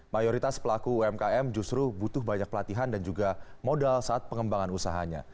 mayoritas pelaku umkm justru butuh banyak pelatihan dan juga modal saat pengembangan usahanya